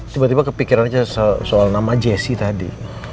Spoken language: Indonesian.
tiba tiba kepikiran aja soal nama jesse tadi